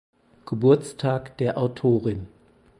Geburtstag der Autorin.